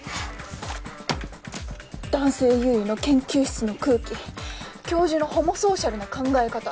「男性優位の研究室の空気教授のホモソーシャルな考え方。